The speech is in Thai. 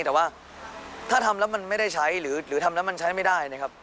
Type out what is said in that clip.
แต่ว่าถ้าทำแล้วมันไม่ได้ใช้หรือทำแล้วมันใช้ไม่ได้นะครับ